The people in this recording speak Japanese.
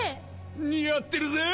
似合ってるぜ